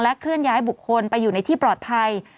เคลื่อนย้ายบุคคลไปอยู่ในที่ปลอดภัย